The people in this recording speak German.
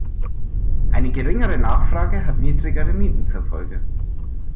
Eine geringere Nachfrage hat niedrigere Mieten zur Folge.